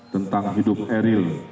tentang hidup eril